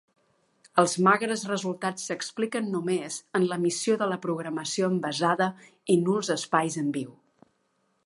Els magres resultats s'expliquen només en l'emissió de programació envasada i nuls espais en viu.